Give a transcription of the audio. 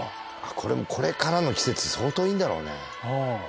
これもこれからの季節相当いいんだろうね